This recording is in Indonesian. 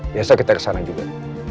biasa kita ke sana juga